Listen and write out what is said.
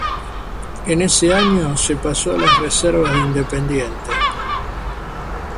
En ese año se pasó a las reservas de Independiente.